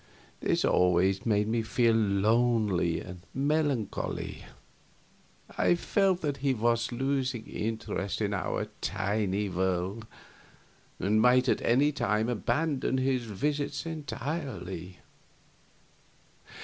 This always made me lonely and melancholy. I felt that he was losing interest in our tiny world and might at any time abandon his visits entirely.